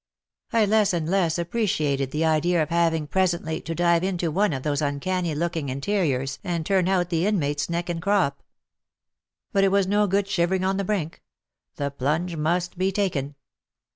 I less and less appreciated the idea of having presently to dive into one of those uncanny looking interiors and turn out the inmates neck and crop. But it was no good shivering on the brink — the plunge must be taken.